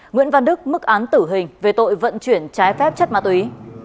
nguyễn văn đức mức án tử hình về tội vận chuyển trái phép chất ma túy